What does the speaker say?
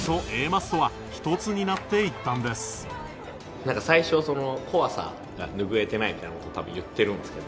なんか最初「怖さが拭えてない」みたいな事多分言ってるんですけど